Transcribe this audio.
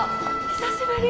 久しぶり。